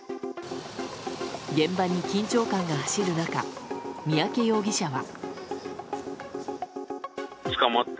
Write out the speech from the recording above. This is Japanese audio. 現場に緊張感が走る中三宅容疑者は。